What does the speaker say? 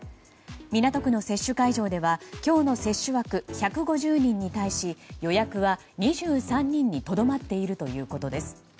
港区の接種会場では今日の接種枠１５０人に対し予約は２３人にとどまっているということです。